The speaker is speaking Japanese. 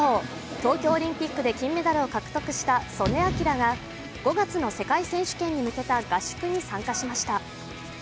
東京オリンピックで、金メダルを獲得した素根輝が、５月の世界選手権に向けた合宿に参加しました。